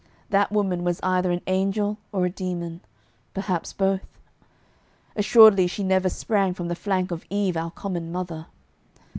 That woman was either an angel or a demon, perhaps both. Assuredly she never sprang from the flank of Eve, our common mother.